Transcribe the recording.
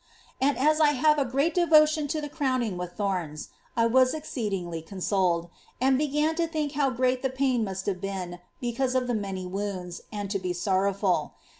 And as I have a great devotion to the crowning with thorns, I was exceedingly consoled, and began to think how great the pain must have been because of the many wounds, and to be sorrowful.